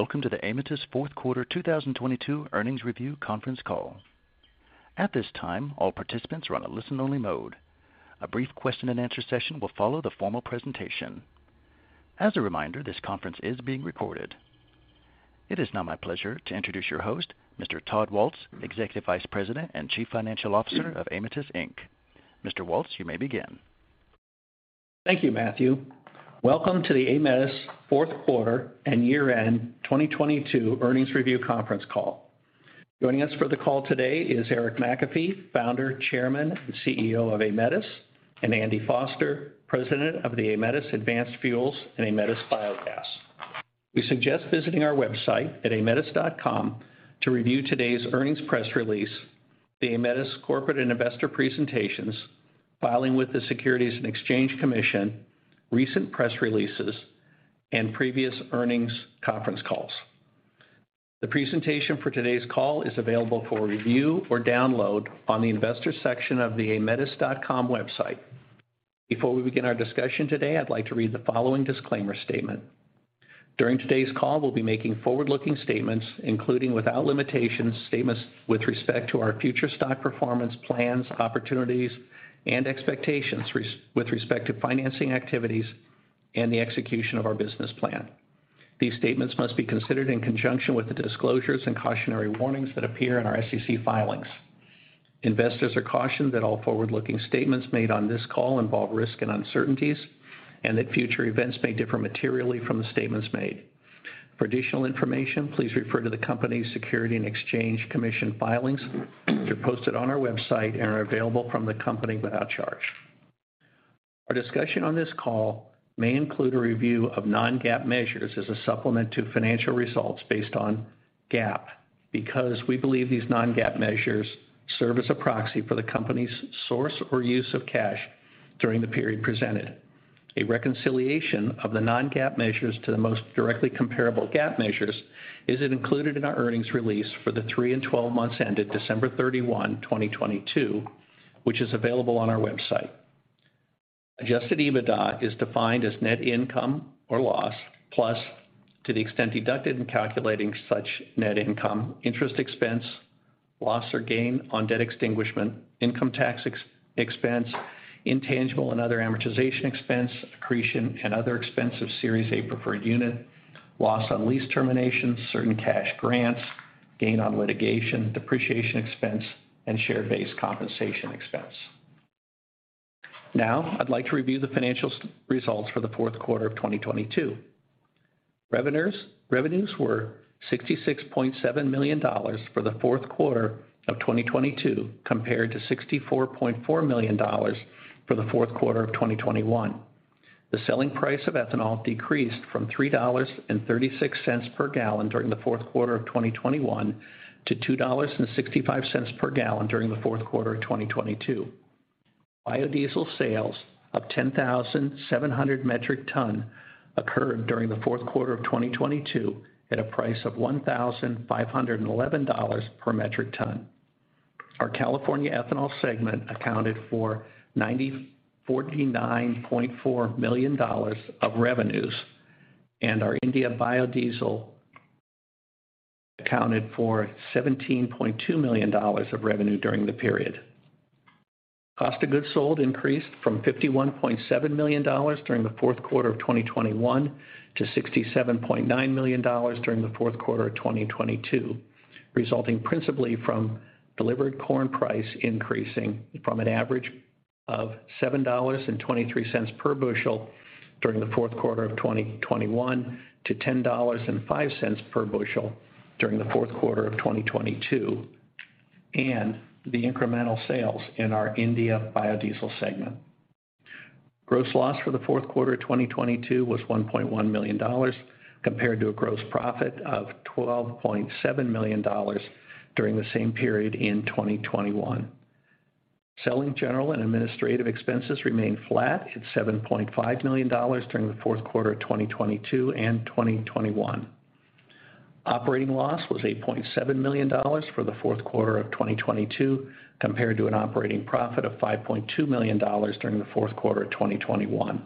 Welcome to the Aemetis fourth quarter 2022 earnings review conference call. At this time, all participants are on a listen-only mode. A brief question-and-answer session will follow the formal presentation. As a reminder, this conference is being recorded. It is now my pleasure to introduce your host, Mr. Todd Waltz, Executive Vice President and Chief Financial Officer of Aemetis, Inc.. Mr. Waltz, you may begin. Thank you, Matthew. Welcome to the Aemetis fourth quarter and year-end 2022 earnings review conference call. Joining us for the call today is Eric McAfee, Founder, Chairman, and CEO of Aemetis, and Andy Foster, President of the Aemetis Advanced Fuels and Aemetis Biogas. We suggest visiting our website at aemetis.com to review today's earnings press release, the Aemetis corporate and investor presentations, filing with the Securities and Exchange Commission, recent press releases, and previous earnings conference calls. The presentation for today's call is available for review or download on the investor section of the aemetis.com website. Before we begin our discussion today, I'd like to read the following disclaimer statement. During today's call, we'll be making forward-looking statements, including without limitations, statements with respect to our future stock performance plans, opportunities, and expectations with respect to financing activities and the execution of our business plan. These statements must be considered in conjunction with the disclosures and cautionary warnings that appear in our SEC filings. Investors are cautioned that all forward-looking statements made on this call involve risk and uncertainties, and that future events may differ materially from the statements made. For additional information, please refer to the company's Securities and Exchange Commission filings. They're posted on our website and are available from the company without charge. Our discussion on this call may include a review of non-GAAP measures as a supplement to financial results based on GAAP because we believe these non-GAAP measures serve as a proxy for the company's source or use of cash during the period presented. A reconciliation of the non-GAAP measures to the most directly comparable GAAP measures is included in our earnings release for the three and 12 months ended December 31, 2022, which is available on our website. Adjusted EBITDA is defined as net income or loss, plus to the extent deducted in calculating such net income, interest expense, loss or gain on debt extinguishment, income tax expense, intangible and other amortization expense, accretion, and other expense of Series A Preferred Units, loss on lease termination, certain cash grants, gain on litigation, depreciation expense, and share-based compensation expense. I'd like to review the financial results for the fourth quarter of 2022. Revenues were $66.7 million for the fourth quarter of 2022 compared to $64.4 million for the fourth quarter of 2021. The selling price of ethanol decreased from $3.36 per gallon during the fourth quarter of 2021 to $2.65 per gallon during the fourth quarter of 2022. Biodiesel sales of 10,700 metric ton occurred during the fourth quarter of 2022 at a price of $1,511 per metric ton. Our California ethanol segment accounted for $49.4 million of revenues, and our India biodiesel accounted for $17.2 million of revenue during the period. Cost of goods sold increased from $51.7 million during the fourth quarter of 2021 to $67.9 million during the fourth quarter of 2022, resulting principally from delivered corn price increasing from an average of $7.23 per bushel during the fourth quarter of 2021 to $10.05 per bushel during the fourth quarter of 2022. The incremental sales in our India biodiesel segment. Gross loss for the fourth quarter of 2022 was $1.1 million compared to a gross profit of $12.7 million during the same period in 2021. Selling, general, and administrative expenses remained flat at $7.5 million during the fourth quarter of 2022 and 2021. Operating loss was $8.7 million for the fourth quarter of 2022 compared to an operating profit of $5.2 million during the fourth quarter of 2021.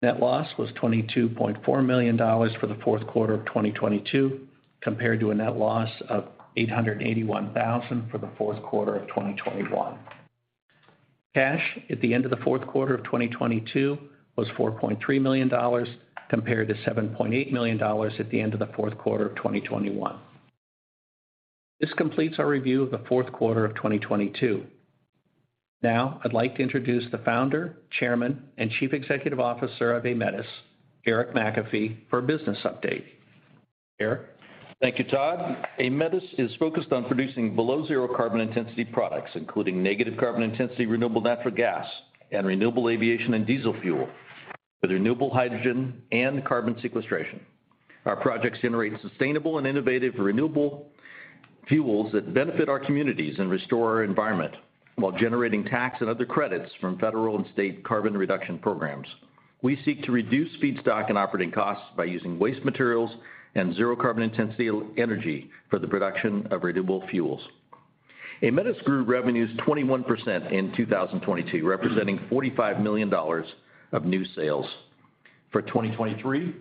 Net loss was $22.4 million for the fourth quarter of 2022 compared to a net loss of $881,000 for the fourth quarter of 2021. Cash at the end of the fourth quarter of 2022 was $4.3 million compared to $7.8 million at the end of the fourth quarter of 2021. This completes our review of the fourth quarter of 2022. I'd like to introduce the founder, chairman, and chief executive officer of Aemetis, Eric McAfee, for a business update. Eric? Thank you, Todd. Aemetis is focused on producing below zero carbon intensity products, including negative carbon intensity renewable natural gas and renewable aviation and diesel fuel with renewable hydrogen and carbon sequestration. Our projects generate sustainable and innovative renewable fuels that benefit our communities and restore our environment while generating tax and other credits from federal and state carbon reduction programs. We seek to reduce feedstock and operating costs by using waste materials and zero carbon intensity energy for the production of renewable fuels. Aemetis grew revenues 21% in 2022, representing $45 million of new sales. For 2023,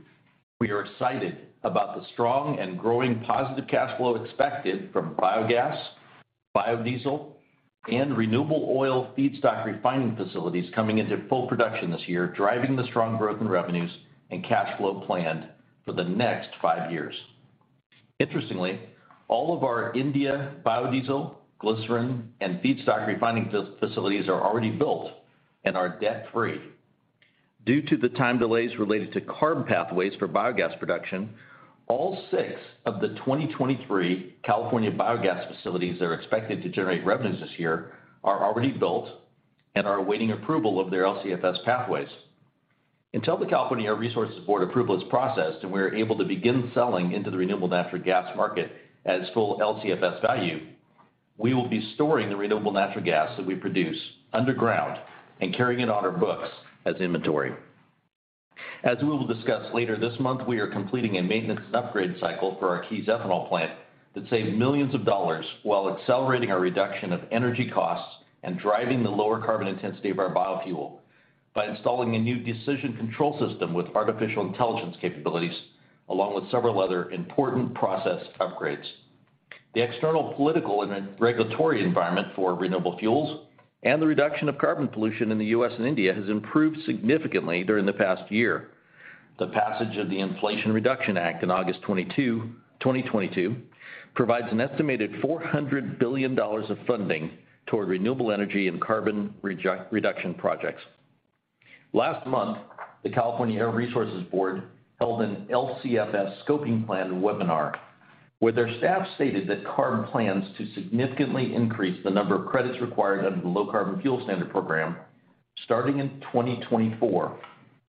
we are excited about the strong and growing positive cash flow expected from biogas, biodiesel, and renewable oil feedstock refining facilities coming into full production this year, driving the strong growth in revenues and cash flow plan for the next five years. Interestingly, all of our India biodiesel, glycerin, and feedstock refi-facilities are already built and are debt-free. Due to the time delays related to carbon pathways for biogas production, all six of the 2023 California biogas facilities that are expected to generate revenues this year are already built and are awaiting approval of their LCFS pathways. Until the California Air Resources Board approval is processed and we are able to begin selling into the renewable natural gas market at its full LCFS value, we will be storing the renewable natural gas that we produce underground and carrying it on our books as inventory. As we will discuss later this month, we are completing a maintenance and upgrade cycle for our Keyes ethanol plant that saved millions of dollars while accelerating our reduction of energy costs and driving the lower carbon intensity of our biofuel by installing a new Decision Control System with artificial intelligence capabilities, along with several other important process upgrades. The external political and regulatory environment for renewable fuels and the reduction of carbon pollution in the U.S. and India has improved significantly during the past year. The passage of the Inflation Reduction Act in August 22, 2022 provides an estimated $400 billion of funding toward renewable energy and carbon reduction projects. Last month, the California Air Resources Board held an LCFS scoping plan webinar, where their staff stated that CARB plans to significantly increase the number of credits required under the Low Carbon Fuel Standard program starting in 2024,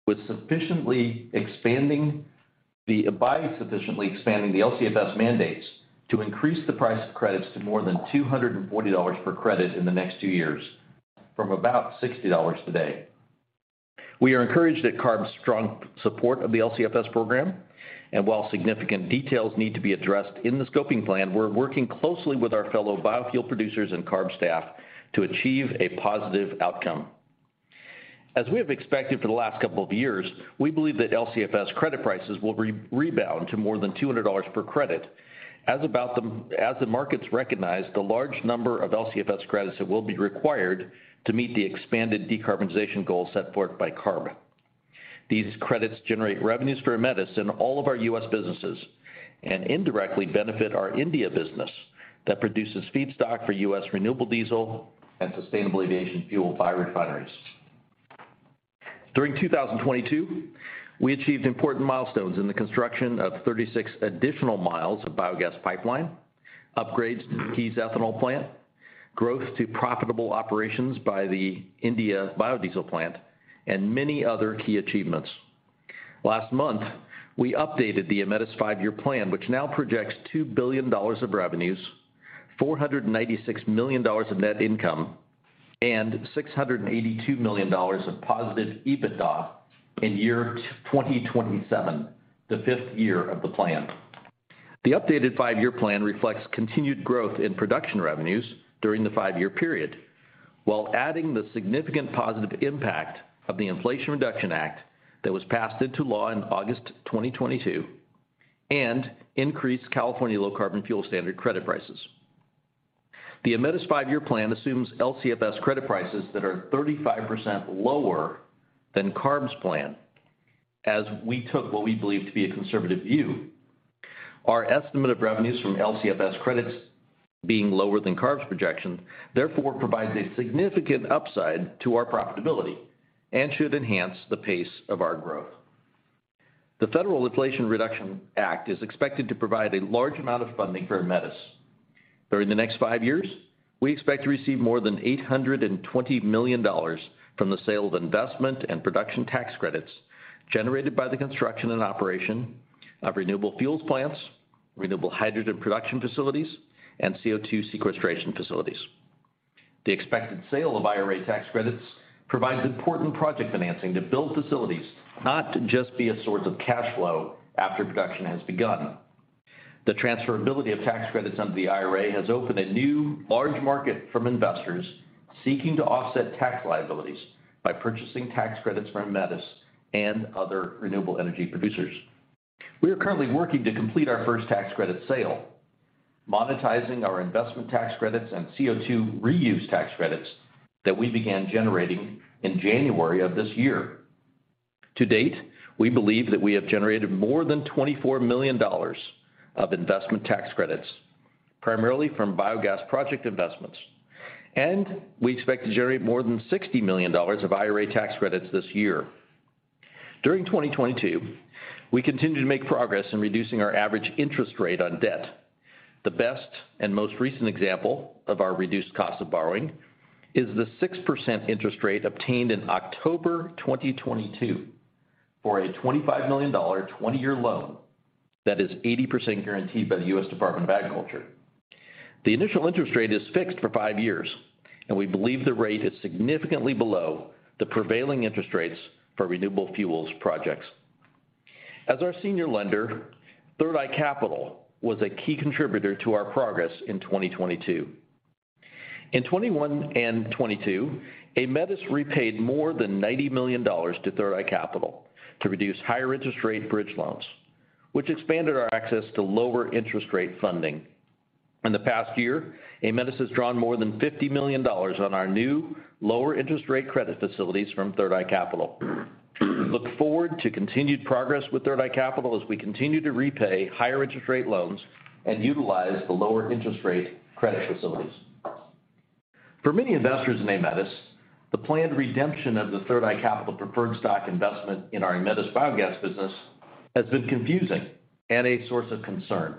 by sufficiently expanding the LCFS mandates to increase the price of credits to more than $240 per credit in the next two years, from about $60 today. While significant details need to be addressed in the scoping plan, we're working closely with our fellow biofuel producers and CARB staff to achieve a positive outcome. As we have expected for the last couple of years, we believe that LCFS credit prices will rebound to more than $200 per credit as the markets recognize the large number of LCFS credits that will be required to meet the expanded decarbonization goals set forth by CARB. These credits generate revenues for Aemetis in all of our U.S. businesses and indirectly benefit our India business that produces feedstock for U.S. renewable diesel and sustainable aviation fuel biorefineries. During 2022, we achieved important milestones in the construction of 36 additional miles of biogas pipeline, upgrades to the Keyes ethanol plant, growth to profitable operations by the India biodiesel plant, and many other key achievements. Last month, we updated the Aemetis five-year plan, which now projects $2 billion of revenues, $496 million of net income, and $682 million of positive EBITDA in year 2027, the fifth year of the plan. The updated five-year plan reflects continued growth in production revenues during the five-year period while adding the significant positive impact of the Inflation Reduction Act that was passed into law in August 2022 and increased California Low Carbon Fuel Standard credit prices. The Aemetis five-year plan assumes LCFS credit prices that are 35% lower than CARB's plan, as we took what we believe to be a conservative view. Our estimate of revenues from LCFS credits being lower than CARB's projections, therefore provides a significant upside to our profitability and should enhance the pace of our growth. The Federal Inflation Reduction Act is expected to provide a large amount of funding for Aemetis. During the next five years, we expect to receive more than $820 million from the sale of investment and production tax credits generated by the construction and operation of renewable fuels plants, renewable hydrogen production facilities, and CO₂ sequestration facilities. The expected sale of IRA tax credits provides important project financing to build facilities, not to just be a source of cash flow after production has begun. The transferability of tax credits under the IRA has opened a new large market from investors seeking to offset tax liabilities by purchasing tax credits from Aemetis and other renewable energy producers. We are currently working to complete our first tax credit sale, monetizing our investment tax credits and CO₂ reuse tax credits that we began generating in January of this year. To date, we believe that we have generated more than $24 million of investment tax credits, primarily from biogas project investments, and we expect to generate more than $60 million of IRA tax credits this year. During 2022, we continued to make progress in reducing our average interest rate on debt. The best and most recent example of our reduced cost of borrowing is the 6% interest rate obtained in October 2022 for a $25 million 20-year loan that is 80% guaranteed by the US Department of Agriculture. The initial interest rate is fixed for five years, and we believe the rate is significantly below the prevailing interest rates for renewable fuels projects. As our senior lender, Third Eye Capital was a key contributor to our progress in 2022. In 2021 and 2022, Aemetis repaid more than $90 million to Third Eye Capital to reduce higher interest rate bridge loans, which expanded our access to lower interest rate funding. In the past year, Aemetis has drawn more than $50 million on our new lower interest rate credit facilities from Third Eye Capital. Look forward to continued progress with Third Eye Capital as we continue to repay higher interest rate loans and utilize the lower interest rate credit facilities. For many investors in Aemetis, the planned redemption of the Third Eye Capital preferred stock investment in our Aemetis Biogas business has been confusing and a source of concern.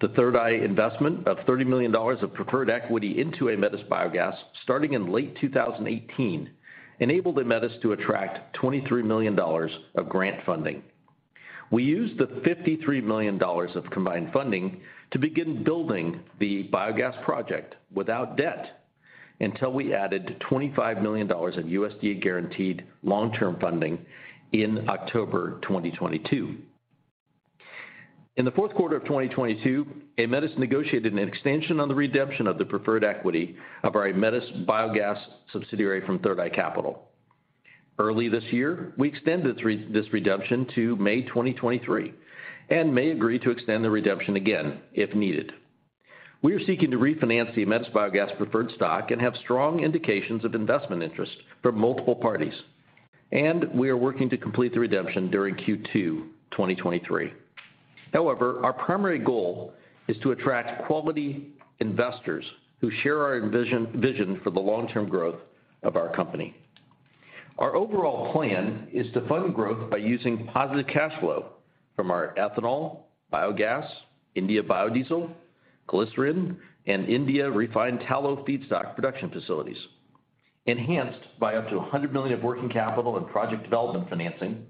The Third Eye investment of $30 million of preferred equity into Aemetis Biogas starting in late 2018 enabled Aemetis to attract $23 million of grant funding. We used the $53 million of combined funding to begin building the biogas project without debt, until we added $25 million of USDA guaranteed long-term funding in October 2022. In the fourth quarter of 2022, Aemetis negotiated an extension on the redemption of the preferred equity of our Aemetis Biogas subsidiary from Third Eye Capital. Early this year, we extended this redemption to May 2023 and may agree to extend the redemption again if needed. We are seeking to refinance the Aemetis Biogas preferred stock and have strong indications of investment interest from multiple parties. We are working to complete the redemption during Q2 2023. Our primary goal is to attract quality investors who share our vision for the long-term growth of our company. Our overall plan is to fund growth by using positive cash flow from our ethanol, biogas, India biodiesel, glycerin, and India refined tallow feedstock production facilities, enhanced by up to $100 million of working capital and project development financing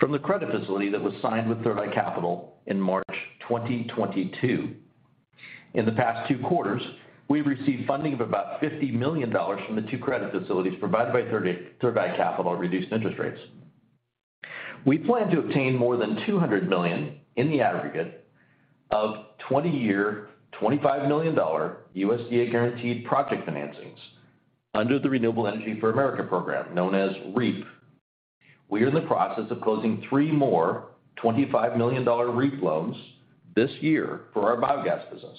from the credit facility that was signed with Third Eye Capital in March 2022. In the past two quarters, we've received funding of about $50 million from the two credit facilities provided by Third Eye Capital at reduced interest rates. We plan to obtain more than $200 million in the aggregate of 20-year, $25 million USDA guaranteed project financings under the Rural Energy for America Program, known as REAP. We are in the process of closing three more $25 million REAP loans this year for our biogas business,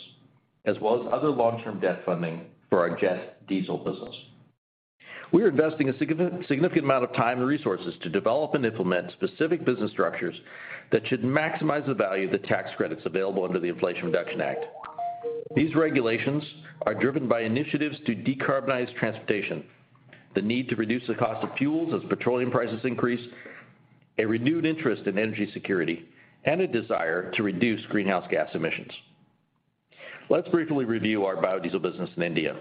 as well as other long-term debt funding for our jet diesel business. We are investing a significant amount of time and resources to develop and implement specific business structures that should maximize the value of the tax credits available under the Inflation Reduction Act. These regulations are driven by initiatives to decarbonize transportation, the need to reduce the cost of fuels as petroleum prices increase, a renewed interest in energy security, and a desire to reduce greenhouse gas emissions. Let's briefly review our biodiesel business in India.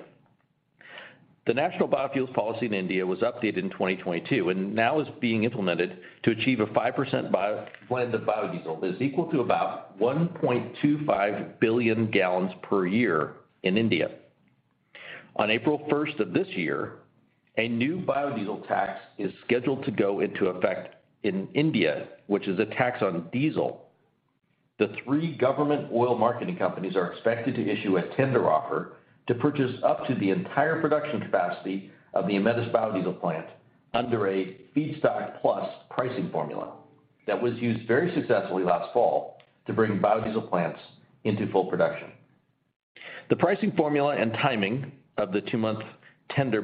The National Policy on Biofuels in India was updated in 2022 and now is being implemented to achieve a 5% bio-blend of biodiesel is equal to about 1.25 billion gallons per year in India. On April first of this year, a new biodiesel tax is scheduled to go into effect in India, which is a tax on diesel. The three government oil marketing companies are expected to issue a tender offer to purchase up to the entire production capacity of the Aemetis biodiesel plant under a feedstock plus pricing formula that was used very successfully last fall to bring biodiesel plants into full production. The pricing formula and timing of the two-month tender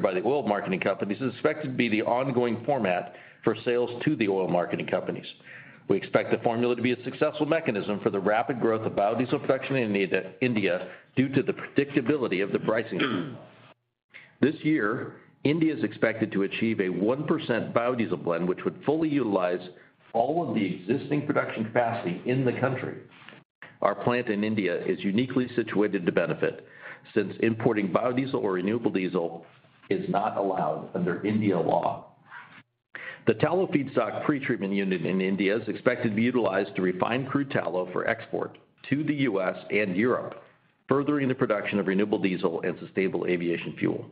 by the oil marketing companies is expected to be the ongoing format for sales to the oil marketing companies. We expect the formula to be a successful mechanism for the rapid growth of biodiesel production in India due to the predictability of the pricing. This year, India is expected to achieve a 1% biodiesel blend, which would fully utilize all of the existing production capacity in the country. Our plant in India is uniquely situated to benefit since importing biodiesel or renewable diesel is not allowed under India law. The tallow feedstock pretreatment unit in India is expected to be utilized to refine crude tallow for export to the U.S. and Europe, furthering the production of renewable diesel and sustainable aviation fuel.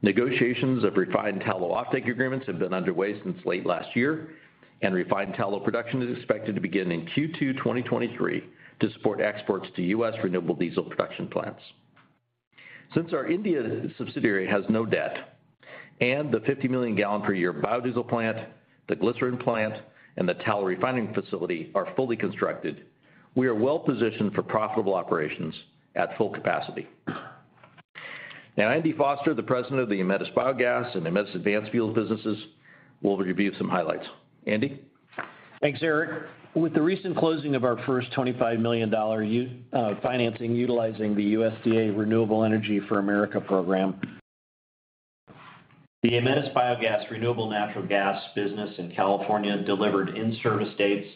Negotiations of refined tallow offtake agreements have been underway since late last year, and refined tallow production is expected to begin in Q2 2023 to support exports to U.S. renewable diesel production plants. Since our India subsidiary has no debt, and the 50 million gallon per year biodiesel plant, the glycerin plant, and the tallow refining facility are fully constructed, we are well positioned for profitable operations at full capacity. Now, Andy Foster, the President of the Aemetis Biogas and Aemetis Advanced Fuels businesses will review some highlights. Andy? Thanks, Eric. With the recent closing of our first $25 million financing utilizing the USDA Renewable Energy for America Program, the Aemetis Biogas renewable natural gas business in California delivered in-service dates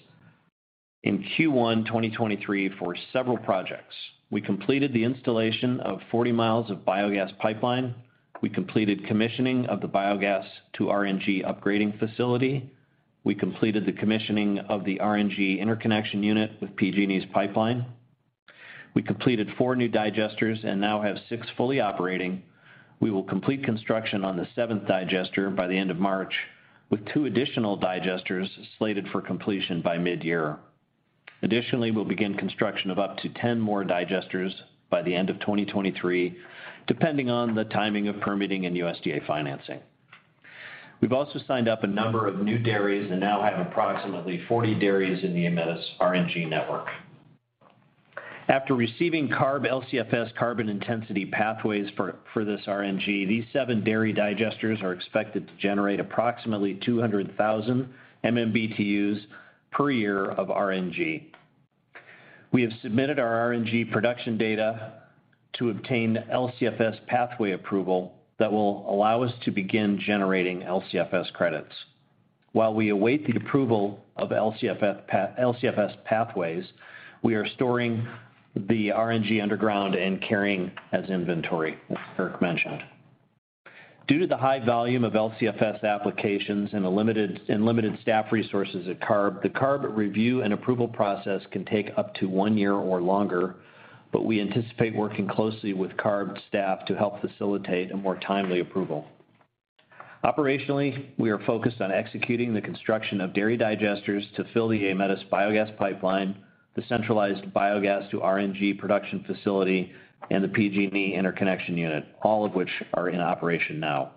in Q1 2023 for several projects. We completed the installation of 40 miles of biogas pipeline. We completed commissioning of the biogas to RNG upgrading facility. We completed the commissioning of the RNG interconnection unit with PG&E's pipeline. We completed four new digesters and now have six fully operating. We will complete construction on the seventh digester by the end of March, with two additional digesters slated for completion by mid-year. Additionally, we'll begin construction of up to 10 more digesters by the end of 2023, depending on the timing of permitting and USDA financing. We've also signed up a number of new dairies and now have approximately 40 dairies in the Aemetis RNG network. After receiving CARB LCFS carbon intensity pathways for this RNG, these seven dairy digesters are expected to generate approximately 200,000 MMBtus per year of RNG. We have submitted our RNG production data to obtain LCFS pathway approval that will allow us to begin generating LCFS credits. While we await the approval of LCFS pathways, we are storing the RNG underground and carrying as inventory, as Eric mentioned. Due to the high volume of LCFS applications and limited staff resources at CARB, the CARB review and approval process can take up to one year or longer. We anticipate working closely with CARB staff to help facilitate a more timely approval. Operationally, we are focused on executing the construction of dairy digesters to fill the Aemetis Biogas pipeline, the centralized biogas to RNG production facility, and the PG&E interconnection unit, all of which are in operation now.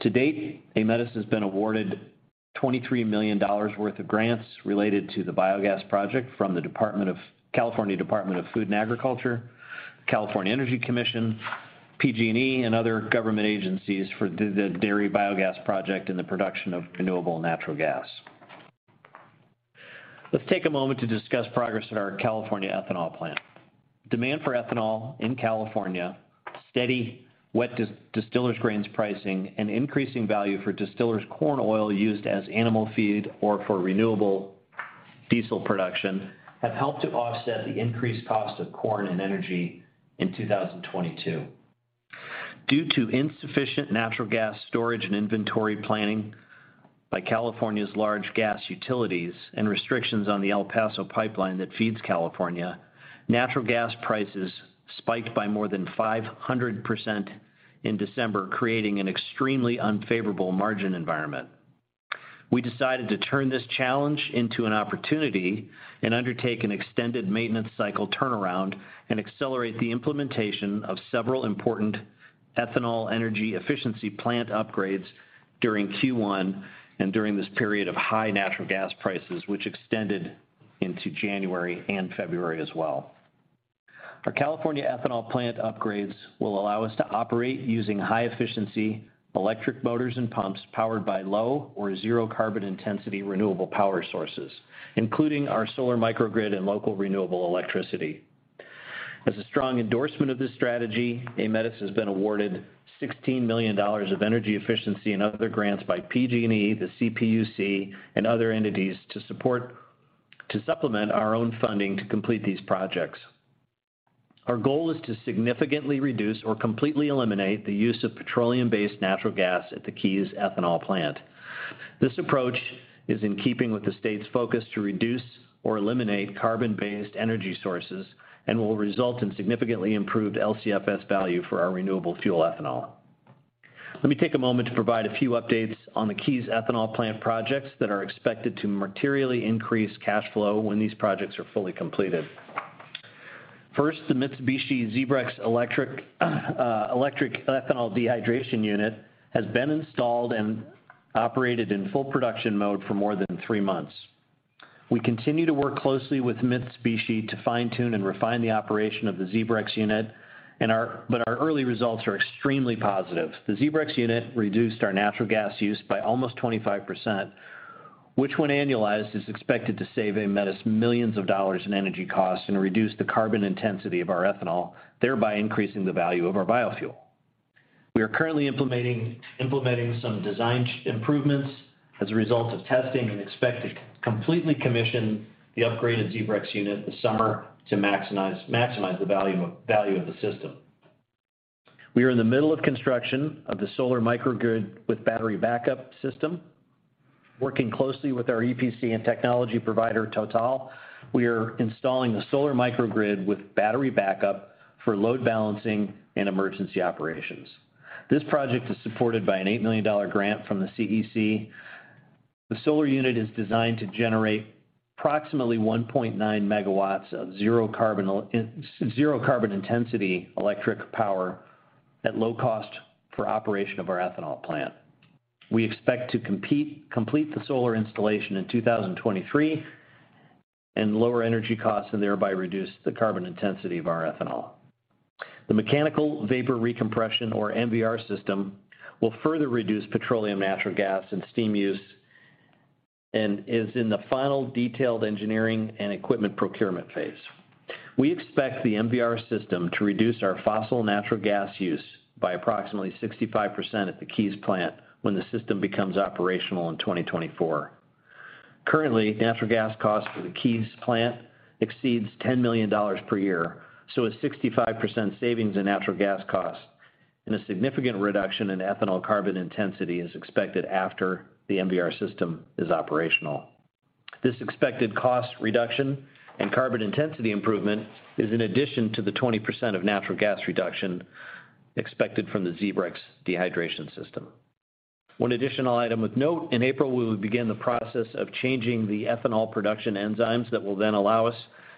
To date, Aemetis has been awarded $23 million worth of grants related to the biogas project from the California Department of Food and Agriculture, California Energy Commission, PG&E, and other government agencies for the dairy biogas project and the production of renewable natural gas. Let's take a moment to discuss progress at our California ethanol plant. Demand for ethanol in California, steady wet distillers grains pricing, and increasing value for distillers corn oil used as animal feed or for renewable diesel production, have helped to offset the increased cost of corn and energy in 2022. Due to insufficient natural gas storage and inventory planning by California's large gas utilities and restrictions on the El Paso pipeline that feeds California, natural gas prices spiked by more than 500% in December, creating an extremely unfavorable margin environment. We decided to turn this challenge into an opportunity and undertake an extended maintenance cycle turnaround and accelerate the implementation of several important ethanol energy efficiency plant upgrades during Q1 and during this period of high natural gas prices, which extended into January and February as well. Our California ethanol plant upgrades will allow us to operate using high-efficiency electric motors and pumps powered by low or zero carbon intensity renewable power sources, including our solar microgrid and local renewable electricity. As a strong endorsement of this strategy, Aemetis has been awarded $16 million of energy efficiency and other grants by PG&E, the CPUC, and other entities to supplement our own funding to complete these projects. Our goal is to significantly reduce or completely eliminate the use of petroleum-based natural gas at the Keyes Ethanol Plant. This approach is in keeping with the state's focus to reduce or eliminate carbon-based energy sources and will result in significantly improved LCFS value for our renewable fuel ethanol. Let me take a moment to provide a few updates on the Keyes Ethanol Plant projects that are expected to materially increase cash flow when these projects are fully completed. First, the Mitsubishi ZEBREX electric ethanol dehydration unit has been installed and operated in full production mode for more than three months. We continue to work closely with Mitsubishi to fine-tune and refine the operation of the ZEBREX unit, but our early results are extremely positive. The ZEBREX unit reduced our natural gas use by almost 25%, which when annualized, is expected to save Aemetis millions of dollars in energy costs and reduce the carbon intensity of our ethanol, thereby increasing the value of our biofuel. We are currently implementing some design improvements as a result of testing and expect to completely commission the upgraded ZEBREX unit this summer to maximize the value of the system. We are in the middle of construction of the solar microgrid with battery backup system. Working closely with our EPC and technology provider, Total, we are installing the solar microgrid with battery backup for load balancing and emergency operations. This project is supported by an $8 million grant from the CEC. The solar unit is designed to generate approximately 1.9 Megawatts of zero carbon intensity electric power at low cost for operation of our ethanol plant. We expect to complete the solar installation in 2023 and lower energy costs and thereby reduce the carbon intensity of our ethanol. The mechanical vapor recompression or MVR system will further reduce petroleum natural gas and steam use and is in the final detailed engineering and equipment procurement phase. We expect the MVR system to reduce our fossil natural gas use by approximately 65% at the Keyes Plant when the system becomes operational in 2024. Currently, natural gas costs for the Keyes Plant exceeds $10 million per year, a 65% savings in natural gas costs. A significant reduction in ethanol carbon intensity is expected after the MVR system is operational. This expected cost reduction and carbon intensity improvement is in addition to the 20% of natural gas reduction expected from the ZEBREX dehydration system. One additional item of note, in April, we will begin the process of changing the ethanol production enzymes that will then allow us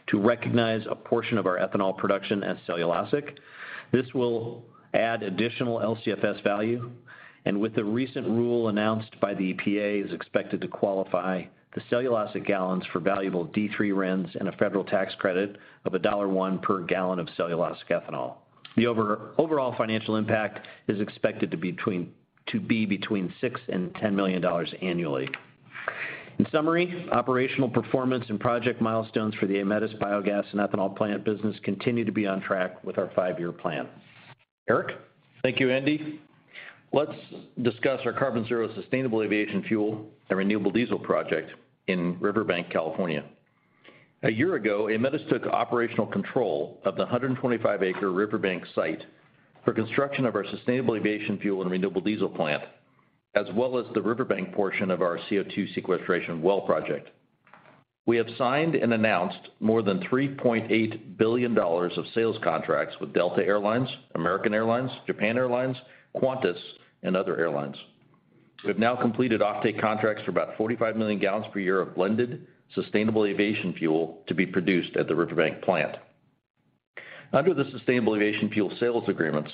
to recognize a portion of our ethanol production as cellulosic. This will add additional LCFS value, and with the recent rule announced by the EPA is expected to qualify the cellulosic gallons for valuable D3 RINs and a federal tax credit of $1.01 per gallon of cellulosic ethanol. The overall financial impact is expected to be between $6 million and $10 million annually. In summary, operational performance and project milestones for the Aemetis Biogas and Ethanol Plant business continue to be on track with our five-year plan. Eric? Thank you, Andy. Let's discuss our carbon zero sustainable aviation fuel and renewable diesel project in Riverbank, California. A year ago, Aemetis took operational control of the 125 acre Riverbank site for construction of our sustainable aviation fuel and renewable diesel plant, as well as the Riverbank portion of our CO₂ sequestration well project. We have signed and announced more than $3.8 billion of sales contracts with Delta Air Lines, American Airlines, Japan Airlines, Qantas and other airlines. We have now completed offtake contracts for about 45 million gallons per year of blended sustainable aviation fuel to be produced at the Riverbank plant. Under the neat SAF sales agreements,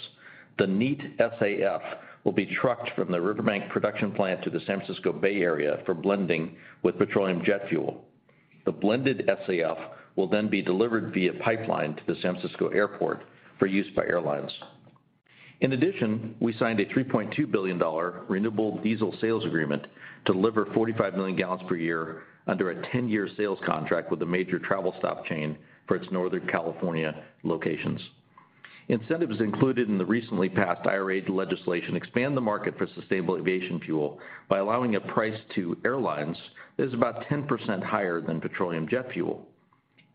the neat SAF will be trucked from the Riverbank production plant to the San Francisco Bay Area for blending with petroleum jet fuel. The blended SAF will be delivered via pipeline to the San Francisco Airport for use by airlines. In addition, we signed a $3.2 billion renewable diesel sales agreement to deliver 45 million gallons per year under a 10-year sales contract with a major travel stop chain for its Northern California locations. Incentives included in the recently passed IRA legislation expand the market for sustainable aviation fuel by allowing a price to airlines that is about 10% higher than petroleum jet fuel,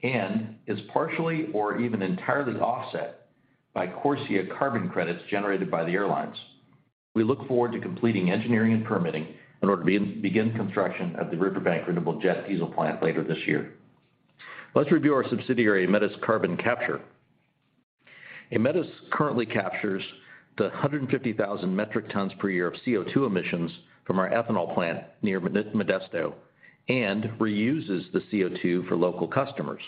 and is partially or even entirely offset by CORSIA carbon credits generated by the airlines. We look forward to completing engineering and permitting in order to begin construction at the Riverbank Renewable Jet Diesel Plant later this year. Let's review our subsidiary, Aemetis Carbon Capture. Aemetis currently captures the 150,000 metric tons per year of CO₂ emissions from our ethanol plant near Modesto and reuses the CO₂ for local customers.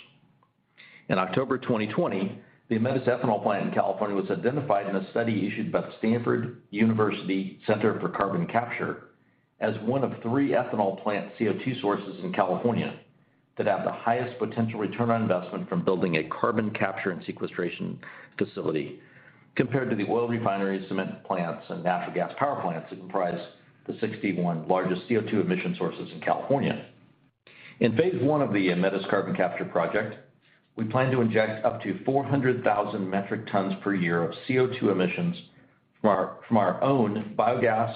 In October 2020, the Aemetis ethanol plant in California was identified in a study issued by the Stanford Center for Carbon Storage as one of three ethanol plant CO₂ sources in California that have the highest potential Return on Investment from building a carbon capture and sequestration facility compared to the oil refineries, cement plants, and natural gas power plants that comprise the 61 largest CO₂ emission sources in California. In phase one of the Aemetis Carbon Capture project, we plan to inject up to 400,000 metric tons per year of CO₂ emissions from our own biogas,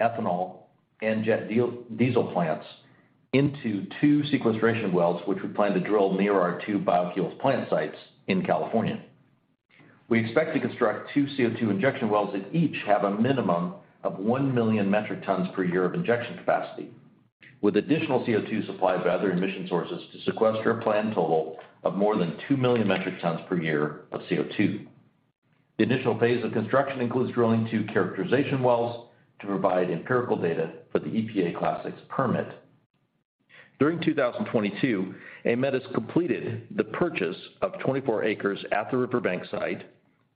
ethanol, and jet diesel plants into two sequestration wells, which we plan to drill near our two biofuels plant sites in California. We expect to construct 2 CO₂ injection wells that each have a minimum of one million metric tons per year of injection capacity, with additional CO₂ supplied by other emission sources to sequester a planned total of more than two million metric tons per year of CO₂. The initial phase of construction includes drilling two characterization wells to provide empirical data for the EPA Class VI permit. During 2022, Aemetis completed the purchase of 24 acres at the Riverbank site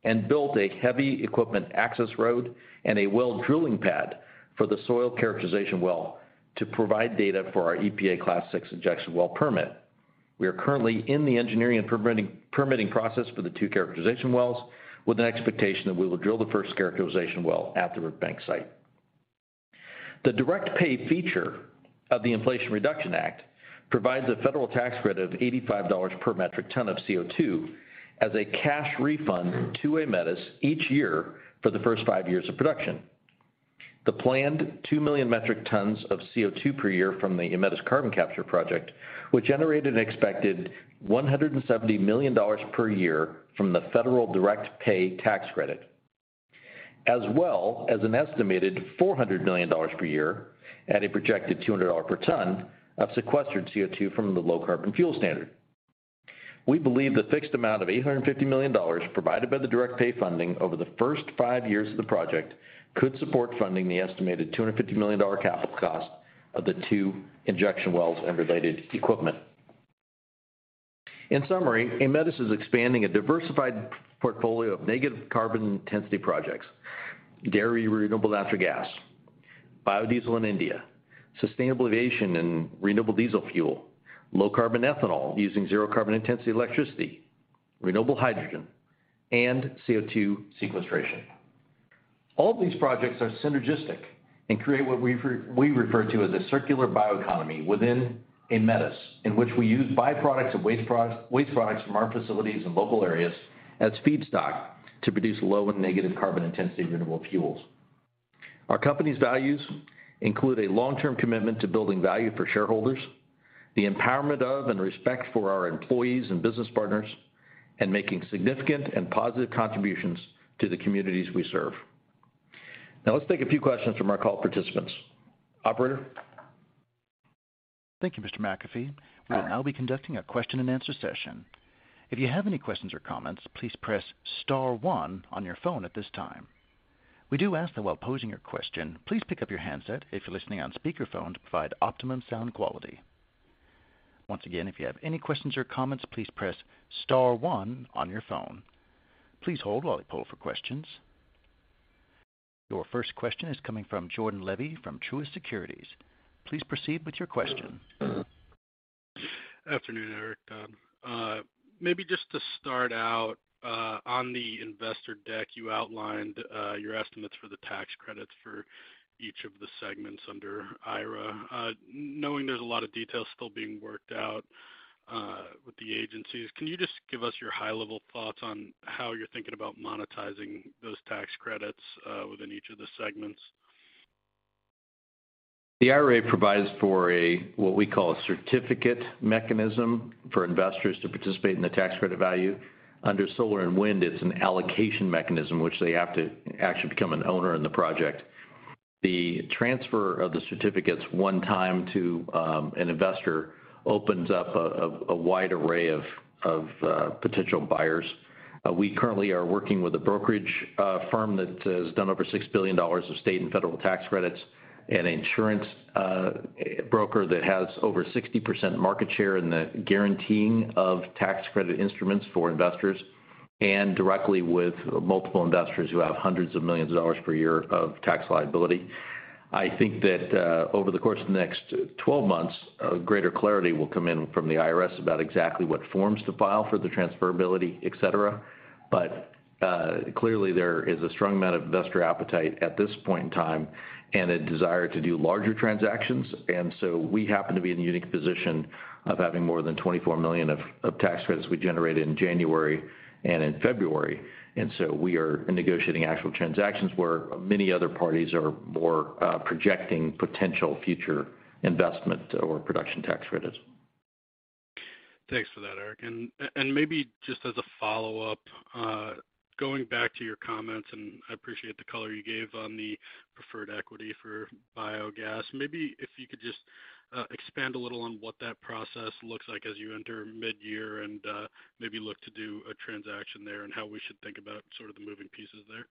and built a heavy equipment access road and a well drilling pad for the soil characterization well to provide data for our EPA Class VI injection well permit. We are currently in the engineering and permitting process for the two characterization wells, with an expectation that we will drill the first characterization well at the Riverbank site. The direct pay feature of the Inflation Reduction Act provides a federal tax credit of $85 per metric ton of CO2 as a cash refund to Aemetis each year for the first five years of production. The planned two million metric tons of CO₂ per year from the Aemetis Carbon Capture project would generate an expected $170 million per year from the federal direct pay tax credit, as well as an estimated $400 million per year at a projected $200 per ton of sequestered CO₂ from the Low Carbon Fuel Standard. We believe the fixed amount of $850 million provided by the direct pay funding over the first five years of the project could support funding the estimated $250 million capital cost of the two injection wells and related equipment. In summary, Aemetis is expanding a diversified portfolio of negative carbon intensity projects, dairy renewable natural gas, biodiesel in India, sustainable aviation and renewable diesel fuel, low carbon ethanol using zero carbon intensity electricity, renewable hydrogen, and CO₂ sequestration. All these projects are synergistic and create what we refer to as a circular bioeconomy within Aemetis, in which we use byproducts of waste products, waste products from our facilities and local areas as feedstock to produce low and negative carbon intensity renewable fuels. Our company's values include a long-term commitment to building value for shareholders, the empowerment of and respect for our employees and business partners, and making significant and positive contributions to the communities we serve. Now let's take a few questions from our call participants. Operator? Thank you, Mr. McAfee. All right. We will now be conducting a question-and-answer session. If you have any questions or comments, please press star one on your phone at this time. We do ask that while posing your question, please pick up your handset if you're listening on speakerphone to provide optimum sound quality. Once again, if you have any questions or comments, please press star one on your phone. Please hold while we poll for questions. Your first question is coming from Jordan Levy from Truist Securities. Please proceed with your question. Afternoon, Eric. Maybe just to start out on the investor deck, you outlined your estimates for the tax credits for each of the segments under IRA. Knowing there's a lot of details still being worked out with the agencies, can you just give us your high-level thoughts on how you're thinking about monetizing those tax credits within each of the segments? The IRA provides for a, what we call a certificate mechanism for investors to participate in the tax credit value. Under solar and wind, it's an allocation mechanism which they have to actually become an owner in the project. The transfer of the certificates one time to, an investor opens up a wide array of, potential buyers. We currently are working with a brokerage, firm that has done over $6 billion of state and federal tax credits, an insurance, broker that has over 60% market share in the guaranteeing of tax credit instruments for investors, and directly with multiple investors who have hundreds of millions of dollars per year of tax liability. I think that, over the course of the next 12 months, a greater clarity will come in from the IRS about exactly what forms to file for the transferability, et cetera. Clearly there is a strong amount of investor appetite at this point in time and a desire to do larger transactions. We happen to be in the unique position of having more than $24 million of tax credits we generated in January and in February. We are negotiating actual transactions where many other parties are more projecting potential future investment or production tax credits. Thanks for that, Eric. Maybe just as a follow-up, going back to your comments, and I appreciate the color you gave on the preferred equity for biogas, maybe if you could just, expand a little on what that process looks like as you enter mid-year and, maybe look to do a transaction there and how we should think about sort of the moving pieces there.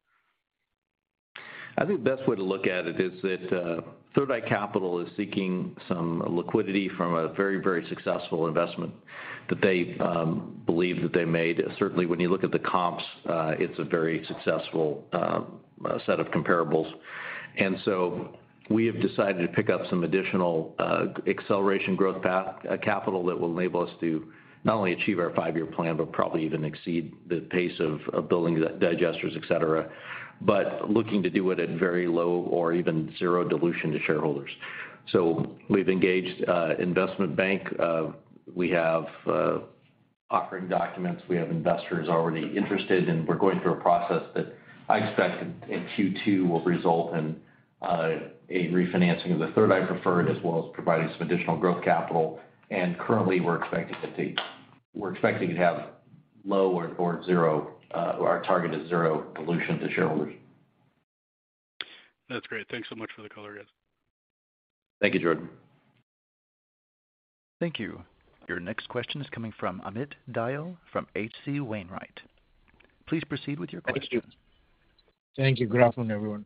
I think best way to look at it is that Third Eye Capital is seeking some liquidity from a very, very successful investment that they believe that they made. Certainly, when you look at the comps, it's a very successful set of comparables. We have decided to pick up some additional acceleration growth capital that will enable us to not only achieve our five-year plan, but probably even exceed the pace of building digesters, et cetera. Looking to do it at very low or even zero dilution to shareholders. We've engaged investment bank. We have offering documents. We have investors already interested, and we're going through a process that I expect in Q2 will result in a refinancing of the Third Eye preferred, as well as providing some additional growth capital. Currently, we're expecting to have low or zero, our target is zero dilution to shareholders. That's great. Thanks so much for the color, guys. Thank you, Jordan. Thank you. Your next question is coming from Amit Dayal from H.C. Wainwright. Please proceed with your question. Thank you. Good afternoon, everyone.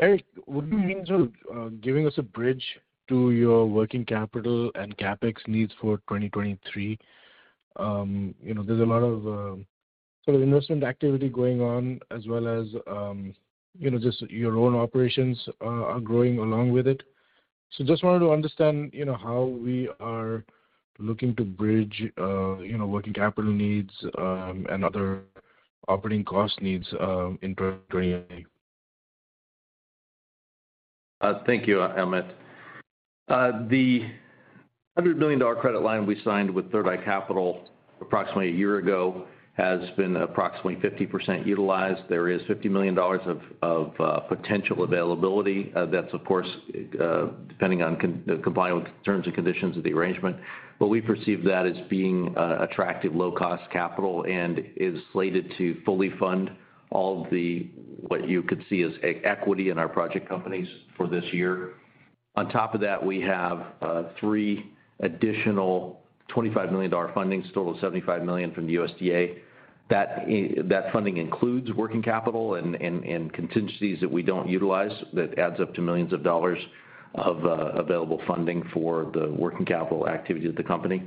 Eric, what do you mean to giving us a bridge to your working capital and CapEx needs for 2023? You know, there's a lot of sort of investment activity going on, as well as, you know, just your own operations are growing along with it. Just wanted to understand, you know, how we are looking to bridge, you know, working capital needs and other operating cost needs in 2023. Thank you, Amit. The $100 million credit line we signed with Third Eye Capital approximately a year ago has been approximately 50% utilized. There is $50 million of potential availability. That's, of course, depending on complying with terms and conditions of the arrangement. We perceive that as being attractive low-cost capital, and is slated to fully fund all the, what you could see as equity in our project companies for this year. On top of that, we have three additional $25 million fundings, total of $75 million from the USDA. That funding includes working capital and contingencies that we don't utilize that adds up to millions of dollars of available funding for the working capital activity of the company.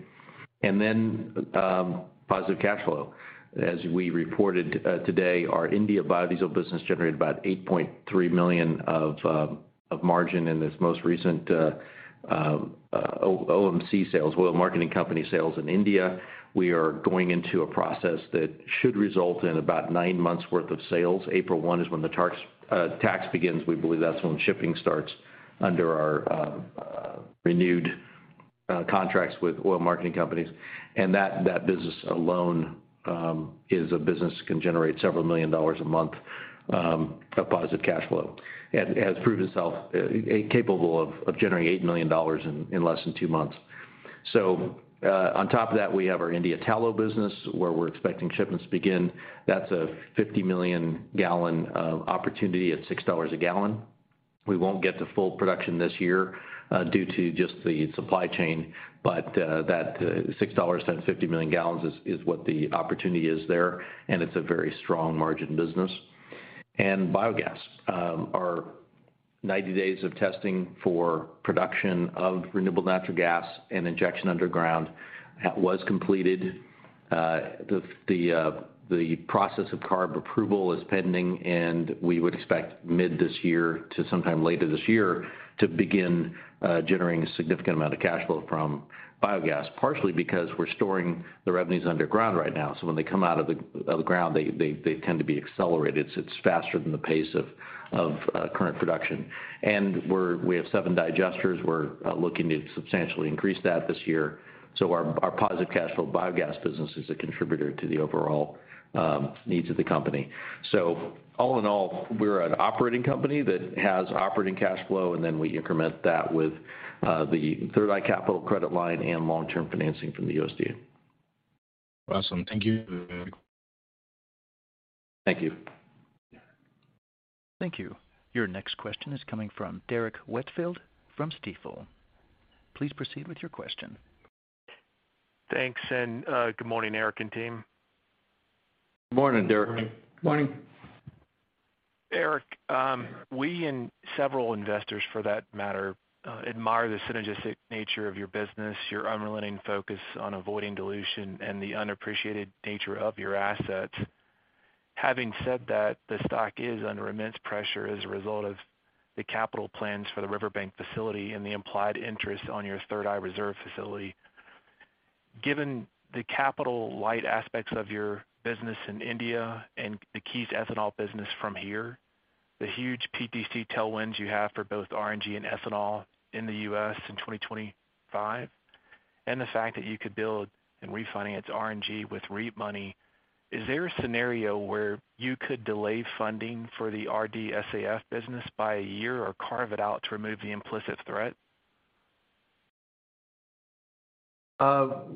Then positive cash flow. As we reported today, our India biodiesel business generated about $8.3 million of margin in this most recent OMC sales, Oil Marketing Company sales in India. We are going into a process that should result in about nine months worth of sales. April 1 is when the tax begins. We believe that's when shipping starts under our Renewed contracts with Oil Marketing Companies, and that business alone is a business that can generate $several million a month of positive cash flow, and has proved itself capable of generating $8 million in less than two months. On top of that, we have our India tallow business where we're expecting shipments to begin. That's a 50 million gallon of opportunity at $6 a gallon. We won't get to full production this year, due to just the supply chain. That $6 times 50 million gallons is what the opportunity is there, and it's a very strong margin business. Biogas, our 90 days of testing for production of renewable natural gas and injection underground was completed. The process of CARB approval is pending, and we would expect mid this year to sometime later this year to begin generating a significant amount of cash flow from biogas, partially because we're storing the revenues underground right now, so when they come out of the ground, they tend to be accelerated. It's faster than the pace of current production. We have seven digesters. We're looking to substantially increase that this year. Our positive cash flow biogas business is a contributor to the overall needs of the company. All in all, we're an operating company that has operating cash flow, and then we increment that with the Third Eye Capital credit line and long-term financing from the USDA. Awesome. Thank you. Thank you. Thank you. Your next question is coming from Derrick Whitfield from Stifel. Please proceed with your question. Thanks, and, good morning, Eric and team. Morning, Derrick. Morning. Eric, we and several investors, for that matter, admire the synergistic nature of your business, your unrelenting focus on avoiding dilution, and the unappreciated nature of your assets. Having said that, the stock is under immense pressure as a result of the capital plans for the Riverbank facility and the implied interest on your Third Eye reserve facility. Given the capital light aspects of your business in India and the Keyes Ethanol business from here, the huge PTC tailwinds you have for both RNG and ethanol in the US in 2025, and the fact that you could build and refinance RNG with REIT money, is there a scenario where you could delay funding for the RDSAF business by a year or carve it out to remove the implicit threat?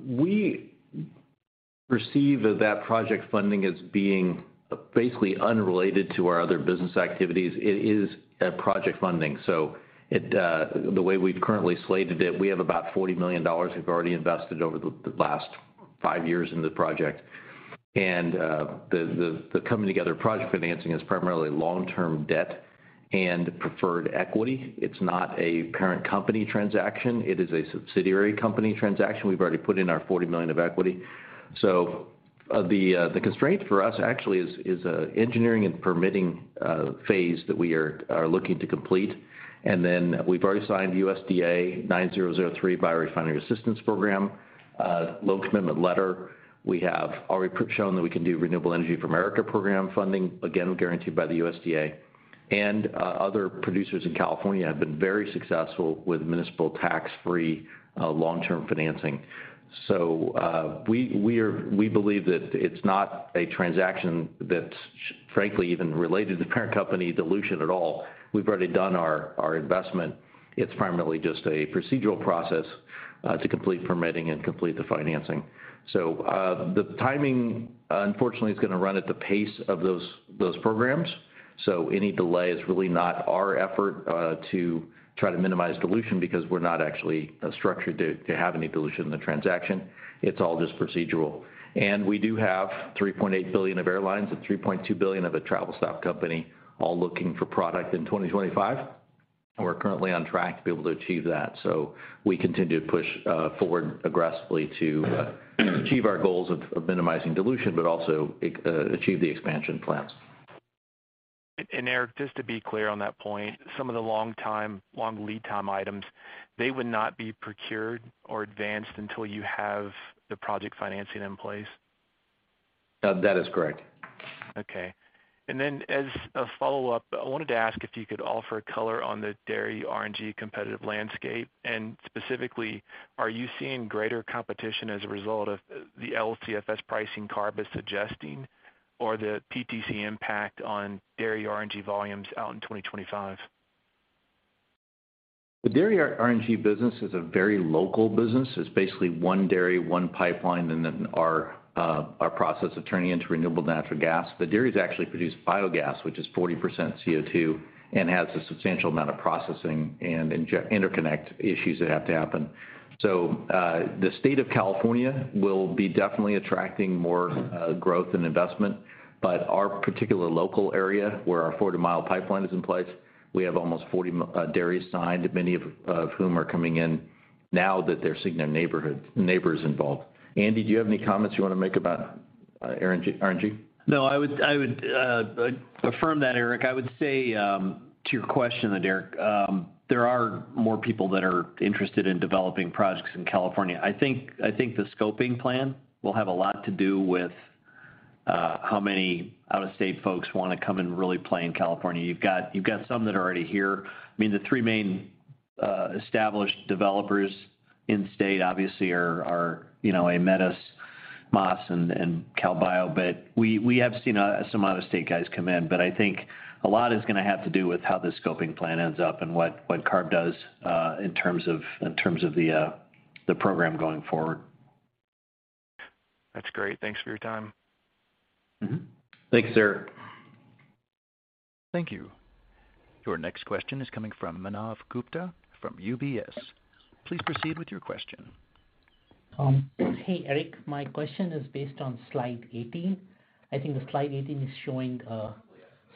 We perceive that project funding as being basically unrelated to our other business activities. It is a project funding. It, the way we've currently slated it, we have about $40 million we've already invested over the last five years into the project. The coming together project financing is primarily long-term debt and preferred equity. It's not a parent company transaction, it is a subsidiary company transaction. We've already put in our $40 million of equity. The constraint for us actually is engineering and permitting phase that we are looking to complete. Then we've already signed USDA Section 9003 Biorefinery Assistance Program loan commitment letter. We have already shown that we can do Rural Energy for America Program funding, again, guaranteed by the USDA. Other producers in California have been very successful with municipal tax-free, long-term financing. We believe that it's not a transaction that's frankly even related to parent company dilution at all. We've already done our investment. It's primarily just a procedural process to complete permitting and complete the financing. The timing unfortunately is gonna run at the pace of those programs. Any delay is really not our effort to try to minimize dilution because we're not actually structured to have any dilution in the transaction. It's all just procedural. We do have $3.8 billion of airlines and $3.2 billion of a travel stop company all looking for products in 2025. We're currently on track to be able to achieve that. We continue to push forward aggressively to achieve our goals of minimizing dilution, but also achieve the expansion plans. Eric, just to be clear on that point, some of the long lead time items, they would not be procured or advanced until you have the project financing in place? That is correct. Okay. Then as a follow-up, I wanted to ask if you could offer color on the dairy RNG competitive landscape. Specifically, are you seeing greater competition as a result of the LCFS pricing CARB is suggesting or the PTC impact on dairy RNG volumes out in 2025? The dairy RNG business is a very local business. It's basically one dairy, one pipeline, and then our process of turning into renewable natural gas. The dairies actually produce biogas, which is 40% CO2 and has a substantial amount of processing and interconnect issues that have to happen. The state of California will be definitely attracting more growth and investment. Our particular local area, where our 40-mile pipeline is in place, we have almost 40 dairies signed, many of whom are coming in now that they're seeing their neighbors involved. Andy, do you have any comments you wanna make about RNG? I would affirm that, Eric. I would say, to your question there, Derek, there are more people that are interested in developing projects in California. I think the Scoping Plan will have a lot to do with How many out-of-state folks wanna come and really play in California? You've got some that are already here. I mean, the three main established developers in-state obviously are, you know, Aemetis, Maas, and CalBio. We have seen some out-of-state guys come in. I think a lot is gonna have to do with how the Scoping Plan ends up and what CARB does in terms of the program going forward. That's great. Thanks for your time. Thank you, sir. Thank you. Your next question is coming from Manav Gupta from UBS. Please proceed with your question. Hey, Eric. My question is based on slide 18. I think the slide 18 is showing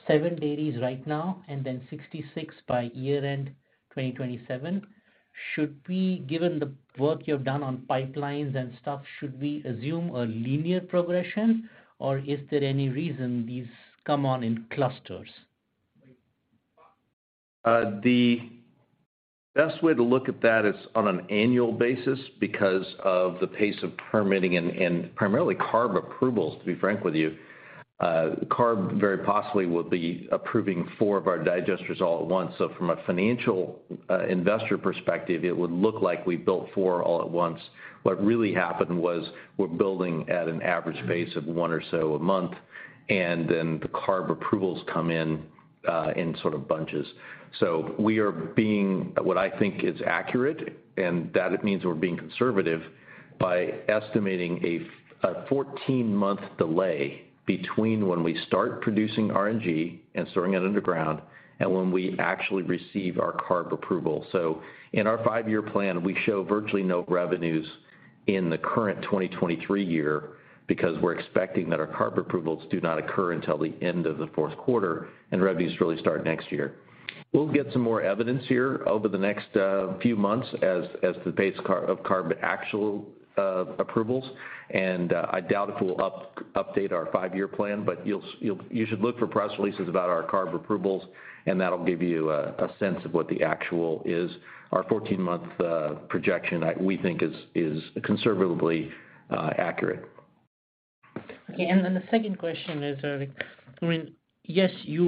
seven dairies right now and then 66 by year-end 2027. Given the work you've done on pipelines and stuff, should we assume a linear progression, or is there any reason these come on in clusters? The best way to look at that is on an annual basis because of the pace of permitting and, primarily CARB approvals, to be frank with you. CARB very possibly will be approving four of our digesters all at once. From a financial, investor perspective, it would look like we built four all at once. What really happened was we're building at an average pace of one or so a month, and then the CARB approvals come in sort of bunches. We are being, what I think is accurate, and that it means we're being conservative by estimating a 14-month delay between when we start producing RNG and storing it underground and when we actually receive our CARB approval. In our five-year plan, we show virtually no revenues in the current 2023 year because we're expecting that our CARB approvals do not occur until the end of the fourth quarter and revenues really start next year. We'll get some more evidence here over the next few months as the pace of CARB actual approvals. I doubt if we'll update our five-year plan, but you should look for press releases about our CARB approvals, and that'll give you a sense of what the actual is. Our 14-month projection, we think is conservatively accurate. Okay. The second question is, I mean, yes, you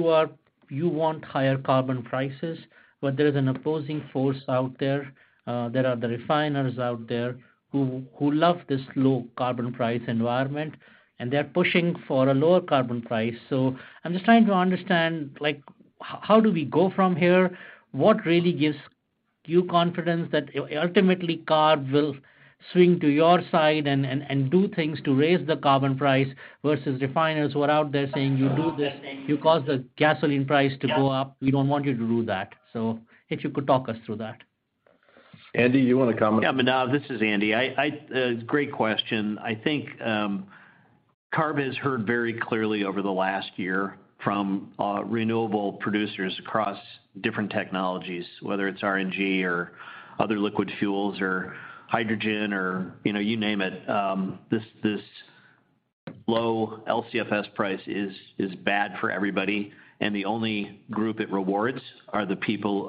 want higher carbon prices, but there is an opposing force out there. There are the refiners out there who love this low carbon price environment, and they're pushing for a lower carbon price. I'm just trying to understand, like, how do we go from here? What really gives you confidence that ultimately CARB will swing to your side and do things to raise the carbon price versus refiners who are out there saying, "You do this, you cause the gasoline price to go up. We don't want you to do that." If you could talk us through that. Andy, you wanna comment? Manav, this is Andy. I, great question. I think CARB has heard very clearly over the last year from renewable producers across different technologies, whether it's RNG or other liquid fuels or hydrogen or, you know, you name it, this low LCFS price is bad for everybody. The only group it rewards are the people